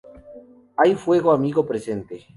Hay fuego amigo presente.